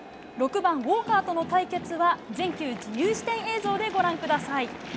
６番ウォーカーとの対決は全球自由視点映像でご覧ください。